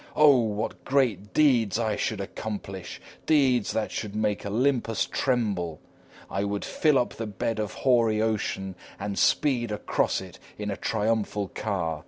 Oh, what great deeds I should accomplish deeds that should make Olympus tremble! I would fill up the bed of hoary ocean and speed across it in a triumphal car.